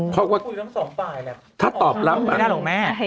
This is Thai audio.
พูดอยู่ทั้งสองป่ายแหละ